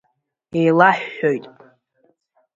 Еилаҳәҳәоит…